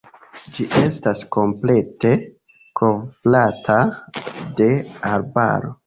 Ĝi estas komplete kovrata de arbaro.